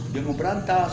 dia mau berantas